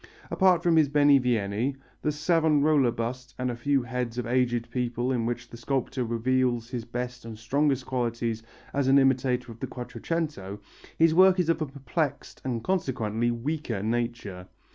Apart from his Benivieni, his Savonarola bust and a few heads of aged people in which the sculptor reveals his best and strongest qualities as an imitator of the Quattrocento, his work is of a perplexed and, consequently, weaker nature.